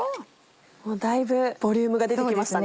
もうだいぶボリュームが出てきましたね。